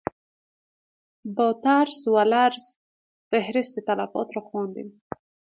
با ترس و لرز فهرست تلفات را خواندیم.